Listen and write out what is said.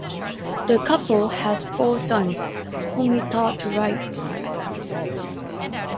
The couple has four sons whom he taught to write.